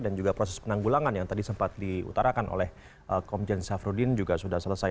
dan juga proses penanggulangan yang tadi sempat diutarakan oleh komjen syafrudin juga sudah selesai